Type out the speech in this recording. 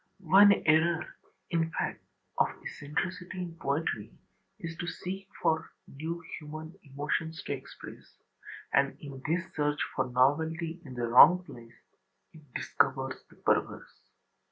One error, in fact, of eccentricity in poetry is to seek for new human emotions to express: and in this search for novelty in the wrong place it discovers the perverse.